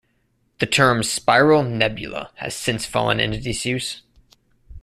The term "spiral nebula" has since fallen into disuse.